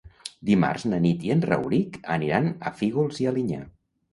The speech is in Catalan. Dimarts na Nit i en Rauric aniran a Fígols i Alinyà.